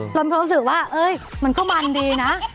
เรามีความรู้สึกว่ามันก็มันดีนะ